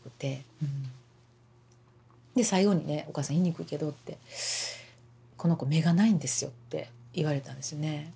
最後にね「お母さん言いにくいけど」って「この子目がないんですよ」って言われたんですよね。